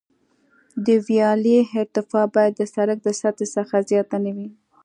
د ویالې ارتفاع باید د سرک د سطحې څخه زیاته نه وي